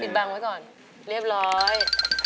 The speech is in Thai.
เรียบร้อย